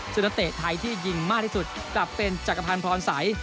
สุนเตะไทยที่ยิงมากที่สุดกลับเป็นจักรพรพรศัย